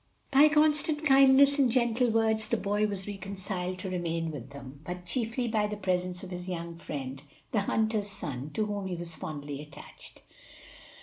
By constant kindness and gentle words the boy was reconciled to remain with them; but chiefly by the presence of his young friend, the hunter's son, to whom he was fondly attached.